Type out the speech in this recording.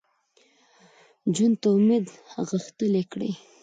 ژوند ته امید غښتلی کړي